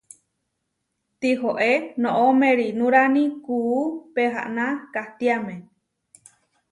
Tihoé noʼó merinurani kuú pehaná kahtiáme.